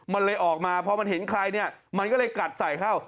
มันเลยออกมาพอมันเห็นใครเนี่ยมันก็เลยกัดใส่เข้า